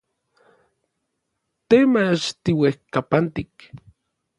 Te mach tiuejkapantik.